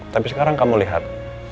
tapi sekarang kamu lihat